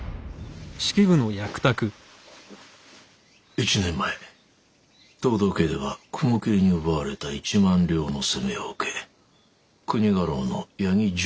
１年前藤堂家では雲霧に奪われた１万両の責めを受け国家老の八木重